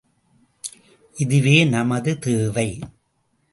இதுவே நமது தேவை!